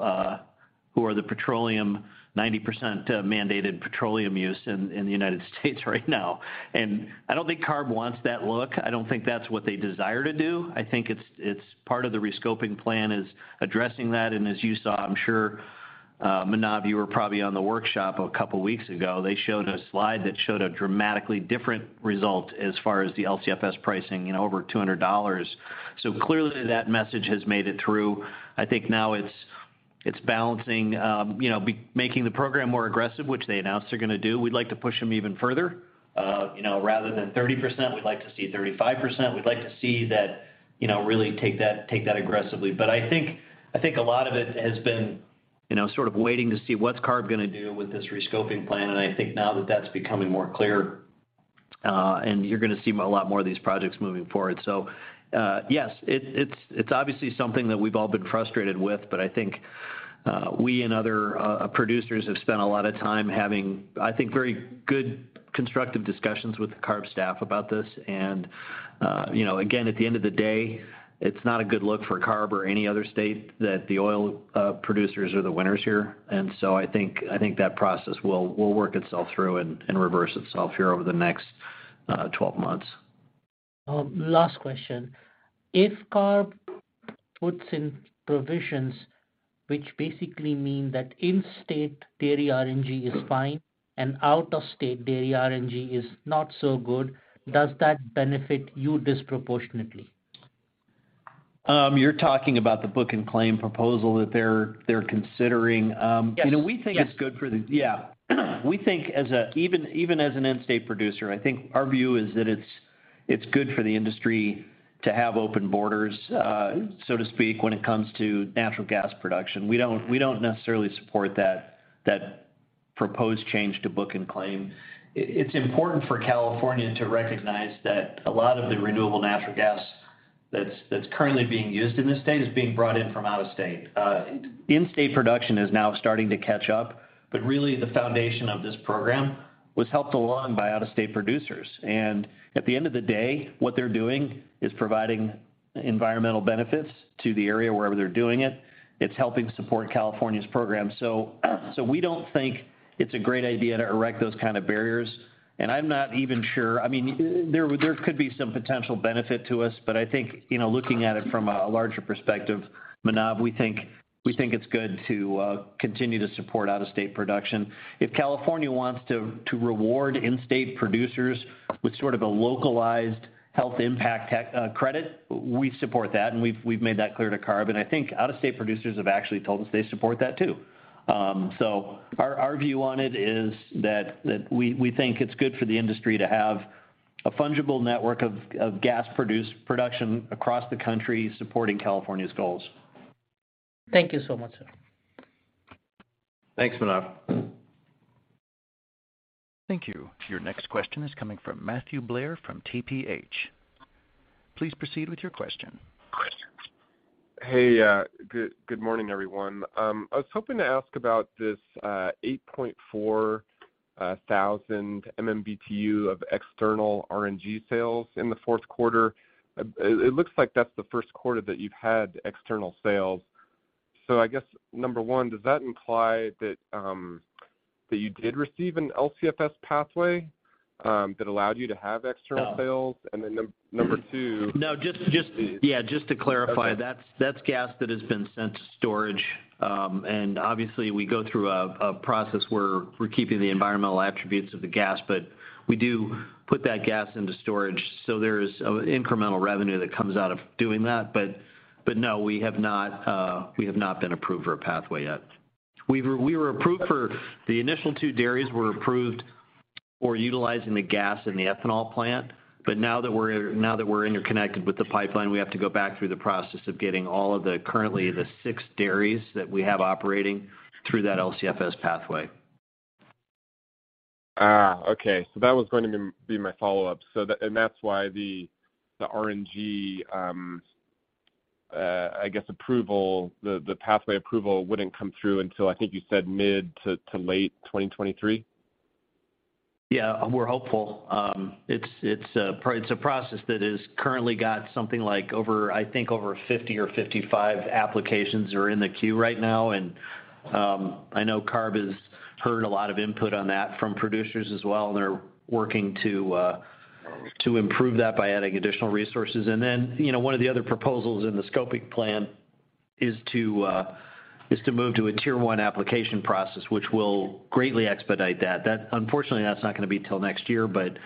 who are the petroleum, 90% mandated petroleum use in the United States right now. I don't think CARB wants that look. I don't think that's what they desire to do. I think it's part of the Scoping Plan is addressing that. As you saw, I'm sure, Manav, you were probably on the workshop a couple weeks ago, they showed a slide that showed a dramatically different result as far as the LCFS pricing, you know, over $200. Clearly that message has made it through. I think now it's balancing, you know, making the program more aggressive, which they announced they're gonna do. We'd like to push them even further. You know, rather than 30%, we'd like to see 35%. We'd like to see that, you know, really take that aggressively. I think a lot of it has been, you know, sort of waiting to see what's CARB gonna do with this Scoping Plan, and I think now that that's becoming more clear, and you're gonna see a lot more of these projects moving forward. Yes, it's obviously something that we've all been frustrated with, but I think we and other producers have spent a lot of time having very good constructive discussions with the CARB staff about this. You know, again, at the end of the day, it's not a good look for CARB or any other state that the oil producers are the winners here. I think that process will work itself through and reverse itself here over the next 12 months. Last question. If CARB puts in provisions which basically mean that in-state dairy RNG is fine and out-of-state dairy RNG is not so good, does that benefit you disproportionately? You're talking about the book and claim proposal that they're considering. Yes. You know, we think it's good for the. Yeah. We think even as an in-state producer, I think our view is that it's good for the industry to have open borders, so to speak, when it comes to natural gas production. We don't necessarily support that proposed change to book and claim. It's important for California to recognize that a lot of the renewable natural gas that's currently being used in the state is being brought in from out of state. In-state production is now starting to catch up, but really the foundation of this program was helped along by out-of-state producers. At the end of the day, what they're doing is providing Environmental benefits to the area wherever they're doing it. It's helping support California's program. We don't think it's a great idea to erect those kind of barriers. I mean, there could be some potential benefit to us, but I think, you know, looking at it from a larger perspective, Manav, we think it's good to continue to support out-of-state production. If California wants to reward in-state producers with sort of a localized health impact credit, we support that, and we've made that clear to CARB. I think out-of-state producers have actually told us they support that too. Our view on it is that we think it's good for the industry to have a fungible network of gas produced production across the country supporting California's goals. Thank you so much, sir. Thanks, Manav. Thank you. Your next question is coming from Matthew Blair from TPH. Please proceed with your question. Hey. Good morning, everyone. I was hoping to ask about this 8,400 MMBtu of external RNG sales in the fourth quarter. It looks like that's the first quarter that you've had external sales. I guess, number one, does that imply that you did receive an LCFS pathway that allowed you to have external sales? Oh. number two. No, just, Yeah, just to clarify. Okay. That's gas that has been sent to storage. Obviously we go through a process where we're keeping the environmental attributes of the gas, but we do put that gas into storage. There is incremental revenue that comes out of doing that. No, we have not been approved for a pathway yet. We were approved for the initial two dairies were approved for utilizing the gas in the ethanol plant. Now that we're interconnected with the pipeline, we have to go back through the process of getting all of the currently the six dairies that we have operating through that LCFS pathway. Okay. That was going to be my follow-up. And that's why the RNG, I guess, approval, the pathway approval wouldn't come through until, I think you said, mid to late 2023? Yeah. We're hopeful. It's a process that has currently got something like over, I think, over 50 or 55 applications are in the queue right now. I know CARB has heard a lot of input on that from producers as well, and they're working to improve that by adding additional resources. Then, you know, one of the other proposals in the Scoping Plan is to move to a Tier 1 application process, which will greatly expedite that. Unfortunately, that's not gonna be till next year, but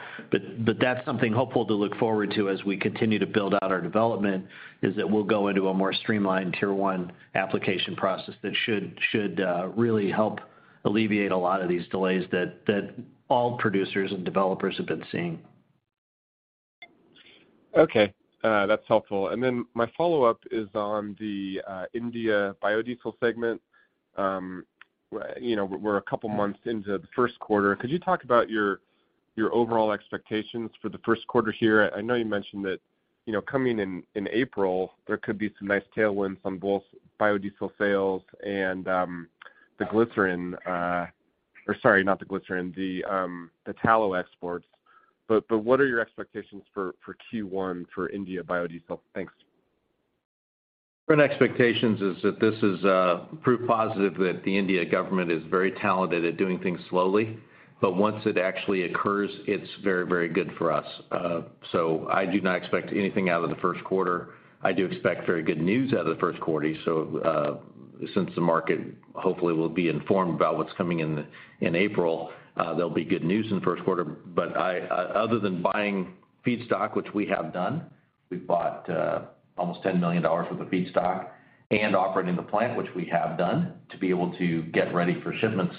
that's something hopeful to look forward to as we continue to build out our development, is that we'll go into a more streamlined Tier 1 application process that should really help alleviate a lot of these delays that all producers and developers have been seeing. Okay. That's helpful. My follow-up is on the India biodiesel segment. You know, we're a couple months into the first quarter. Could you talk about your overall expectations for the first quarter here? I know you mentioned that, you know, coming in April, there could be some nice tailwinds on both biodiesel sales and the glycerin. Or sorry, not the glycerin, the tallow exports. What are your expectations for Q1 for India biodiesel? Thanks. Current expectations is that this is proof positive that the Indian government is very talented at doing things slowly. Once it actually occurs, it's very, very good for us. I do not expect anything out of the first quarter. I do expect very good news out of the first quarter. Since the market hopefully will be informed about what's coming in April, there'll be good news in the first quarter. Other than buying feedstock, which we have done, we've bought almost $10 million worth of feedstock and operating the plant, which we have done, to be able to get ready for shipments.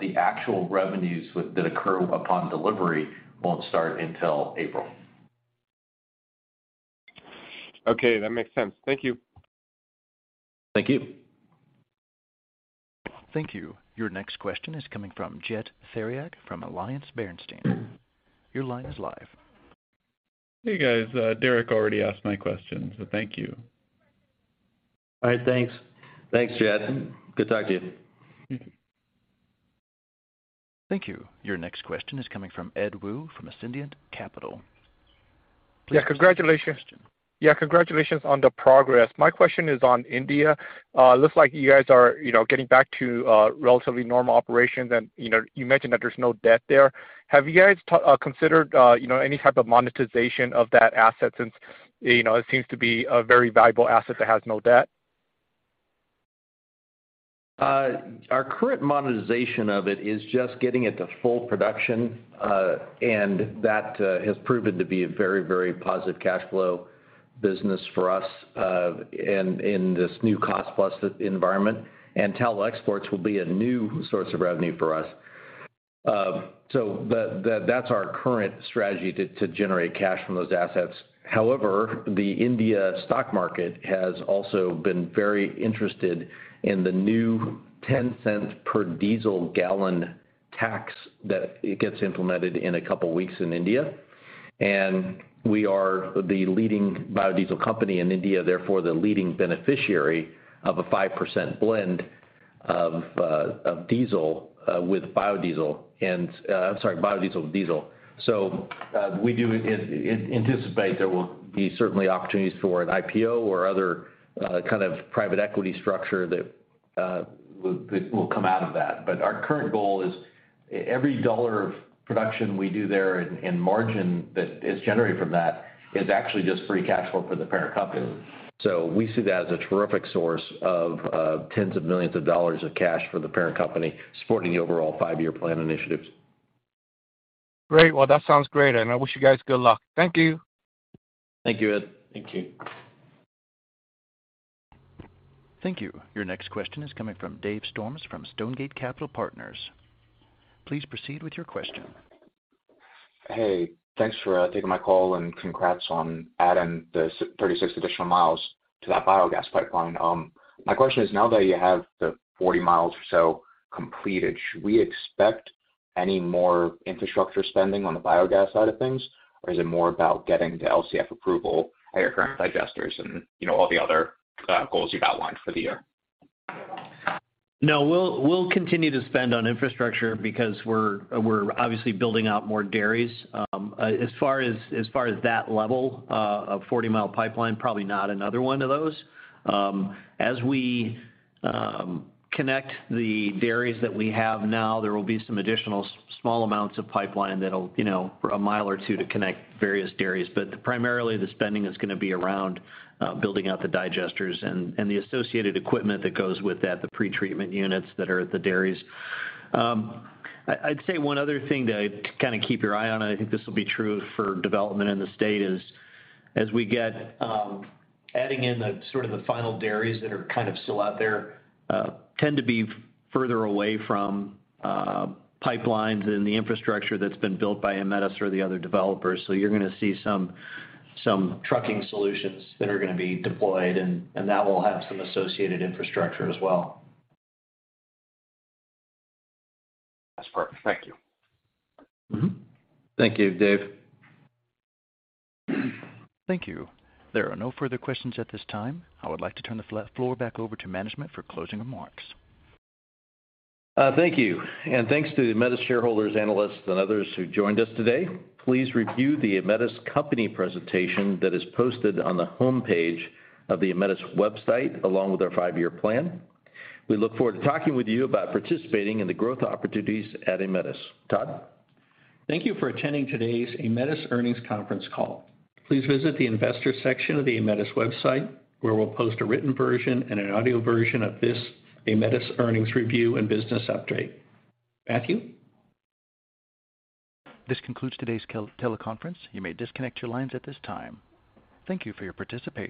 The actual revenues that occur upon delivery won't start until April. Okay, that makes sense. Thank you. Thank you. Thank you. Your next question is coming from Jet Theriac from AllianceBernstein. Your line is live. Hey, guys. Derrick already asked my question. Thank you. All right, thanks. Thanks, Jet. Good talking to you. Thank you. Your next question is coming from Ed Woo from Ascendiant Capital. Yeah, congratulations. Please proceed with your question. Yeah, congratulations on the progress. My question is on India. It looks like you guys are, you know, getting back to, relatively normal operations. You know, you mentioned that there's no debt there. Have you guys considered, you know, any type of monetization of that asset since, you know, it seems to be a very valuable asset that has no debt? Our current monetization of it is just getting it to full production, and that has proven to be a very, very positive cash flow business for us in this new cost plus environment. Tallow exports will be a new source of revenue for us. But that's our current strategy to generate cash from those assets. However, the India stock market has also been very interested in the new $0.10 per diesel gallon tax that it gets implemented in a couple weeks in India. We are the leading biodiesel company in India, therefore, the leading beneficiary of a 5% blend of diesel with biodiesel and, I'm sorry, biodiesel with diesel. We do anticipate there will be certainly opportunities for an IPO or other kind of private equity structure that will come out of that. Our current goal is every dollar of production we do there and margin that is generated from that is actually just free cash flow for the parent company. We see that as a terrific source of tens of millions of dollars of cash for the parent company supporting the overall 5-year plan initiatives. Great. Well, that sounds great, and I wish you guys good luck. Thank you. Thank you, Ed. Thank you. Thank you. Your next question is coming from Dave Storms from Stonegate Capital Partners. Please proceed with your question. Hey, thanks for taking my call and congrats on adding the 36 additional miles to that biogas pipeline. My question is, now that you have the 40 miles or so completed, should we expect any more infrastructure spending on the biogas side of things, or is it more about getting the LCF approval at your current digesters and, you know, all the other goals you've outlined for the year? No, we'll continue to spend on infrastructure because we're obviously building out more dairies. As far as that level, a 40-mile pipeline, probably not another one of those. As we connect the dairies that we have now, there will be some additional small amounts of pipeline that'll, you know, a mile or two to connect various dairies. Primarily, the spending is gonna be around building out the digesters and the associated equipment that goes with that, the pretreatment units that are at the dairies. I'd say one other thing to kind of keep your eye on, I think this will be true for development in the state, is as we get adding in the sort of the final dairies that are kind of still out there, tend to be further away from pipelines and the infrastructure that's been built by Aemetis or the other developers. You're gonna see some trucking solutions that are gonna be deployed, and that will have some associated infrastructure as well. That's perfect. Thank you. Mm-hmm. Thank you, Dave. Thank you. There are no further questions at this time. I would like to turn the floor back over to management for closing remarks. Thank you. Thanks to Aemetis shareholders, analysts, and others who joined us today. Please review the Aemetis company presentation that is posted on the homepage of the Aemetis website along with our five-year plan. We look forward to talking with you about participating in the growth opportunities at Aemetis. Todd? Thank you for attending today's Aemetis earnings conference call. Please visit the investor section of the Aemetis website, where we'll post a written version and an audio version of this Aemetis earnings review and business update. Matthew? This concludes today's teleconference. You may disconnect your lines at this time. Thank you for your participation.